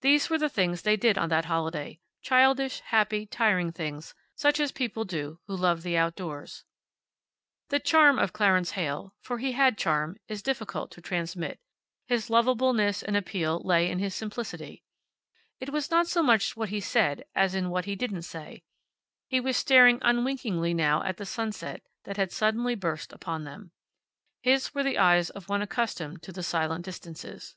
These were the things they did on that holiday; childish, happy, tiring things, such as people do who love the outdoors. The charm of Clarence Heyl for he had charm is difficult to transmit. His lovableness and appeal lay in his simplicity. It was not so much what he said as in what he didn't say. He was staring unwinkingly now at the sunset that had suddenly burst upon them. His were the eyes of one accustomed to the silent distances.